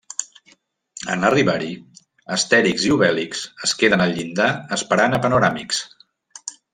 En arribar-hi, Astèrix i Obèlix es queden al llindar esperant a Panoràmix.